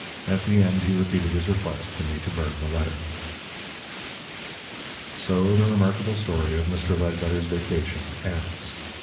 At the end he repeated his request for me to burn the letter. So the remarkable story of Mr. Ledbetter's Vacation ends.